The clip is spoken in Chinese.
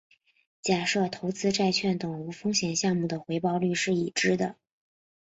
假设投资债券等无风险项目的回报率是已知的。